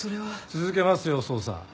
続けますよ捜査。